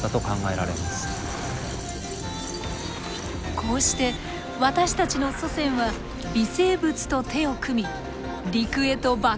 こうして私たちの祖先は微生物と手を組み陸へと爆発的に広がっていきました。